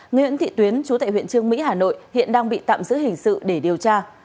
nguyễn thị tuyến chú tại huyện trương mỹ hà nội hiện đang bị tạm giữ hình sự để điều tra